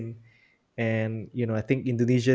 dan saya pikir indonesia